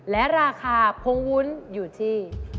และราคาพงวุ้นอยู่ที่